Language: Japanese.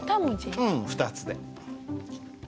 うん二つで。